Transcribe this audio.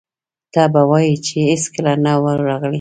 ته به وایې چې هېڅکله نه و راغلي.